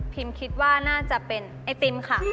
คิดว่าน่าจะเป็นไอติมค่ะ